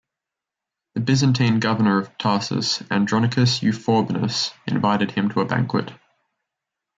The Byzantine governor of Tarsus, Andronicus Euphorbenus, invited him to a banquet.